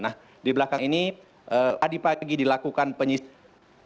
nah di belakang ini tadi pagi dilakukan penyisiran